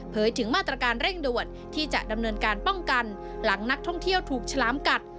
ถึงมาตรการเร่งด่วนที่จะดำเนินการป้องกันหลังนักท่องเที่ยวถูกฉลามกัด